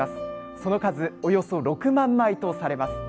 その数、およそ６万枚とされます。